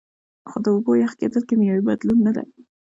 خو د اوبو یخ کیدل کیمیاوي بدلون نه دی